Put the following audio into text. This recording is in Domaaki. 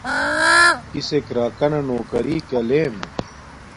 کسک راکانا نوکاریکا لیمے